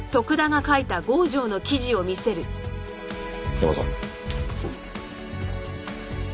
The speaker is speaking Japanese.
ヤマさん。